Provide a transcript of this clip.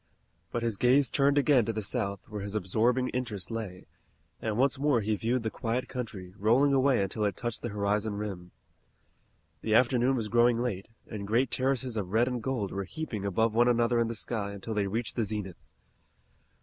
But his gaze turned again to the South, where his absorbing interest lay, and once more he viewed the quiet country, rolling away until it touched the horizon rim. The afternoon was growing late, and great terraces of red and gold were heaping above one another in the sky until they reached the zenith.